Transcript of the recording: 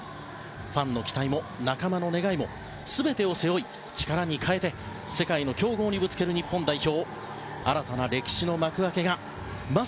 ファンの期待も仲間の願いも全てを背負い力に変えて世界の強豪にぶつける日本代表。